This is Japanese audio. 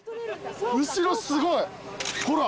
後ろすごいほら。